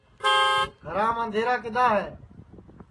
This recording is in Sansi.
گھرام اندھیرا کِدؔا ہے